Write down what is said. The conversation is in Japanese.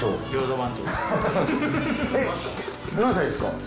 何歳ですか？